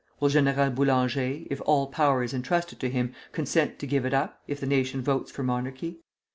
Will General Boulanger, if all power is intrusted to him, consent to give it up, if the nation votes for monarchy?